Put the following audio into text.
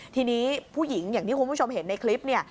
ทีนี้ผู้หญิงอย่างที่คุณผู้ชมเห็นในคลิปเนี่ย